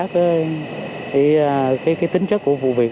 cái tính chất của vụ việc